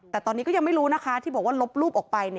แต่ตอนนี้ก็ยังไม่รู้นะคะที่บอกว่าลบรูปออกไป